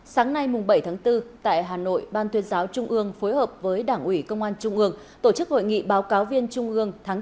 sáng nay bảy bốn tại hà nội ban tuyên giáo trung ương phối hợp với đảng ủy công an trung ương tổ chức hội nghị báo cáo viên trung ương tháng bốn hai nghìn hai mươi ba